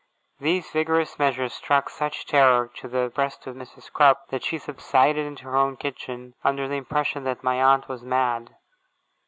These vigorous measures struck such terror to the breast of Mrs. Crupp, that she subsided into her own kitchen, under the impression that my aunt was mad.